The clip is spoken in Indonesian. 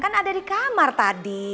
kan ada di kamar tadi